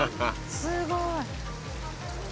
すごい。